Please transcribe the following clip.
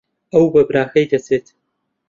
ئەو بە براکەی دەچێت.